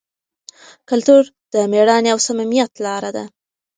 کلتور د مېړانې او صمیمیت لاره ده.